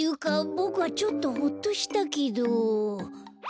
ボクはちょっとホッとしたけど。